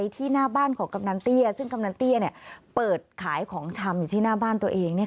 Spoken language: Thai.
ที่หน้าบ้านของกำนันเตี้ยซึ่งกำนันเตี้ยเปิดขายของชำอยู่ที่หน้าบ้านตัวเอง